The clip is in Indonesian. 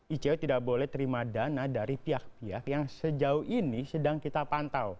icw tidak boleh terima dana dari pihak pihak yang sejauh ini sedang kita pantau